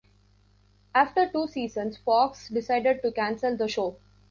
After two seasons, Fox decided to cancel the show.